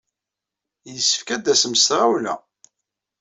Yessefk ad d-tasem s tɣawla.